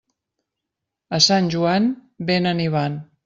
A Sant Joan, vénen i van.